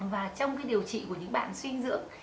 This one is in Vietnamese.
và trong cái điều trị của những bạn suy dưỡng